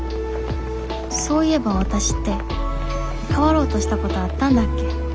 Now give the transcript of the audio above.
そういえばわたしって変わろうとしたことあったんだっけ？